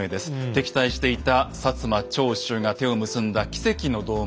敵対していた摩長州が手を結んだ奇跡の同盟。